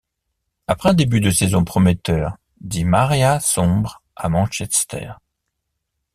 Après un début de saison prometteur, Di María sombre à Manchester.